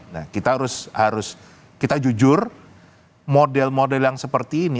nah kita harus kita jujur model model yang seperti ini